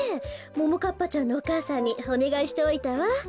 ももかっぱちゃんのお母さんにおねがいしておいたわ。